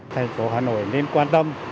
thành phố hà nội nên quan tâm